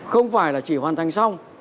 không phải là chỉ hoàn thành xong